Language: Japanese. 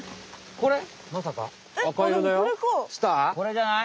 これじゃない？